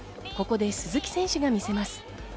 ここで鈴木選手が見せます。